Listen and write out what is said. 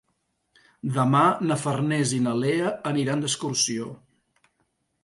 Demà na Farners i na Lea aniran d'excursió.